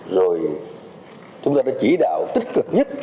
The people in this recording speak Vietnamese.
rồi chúng ta đã chỉ đạo tích cực nhất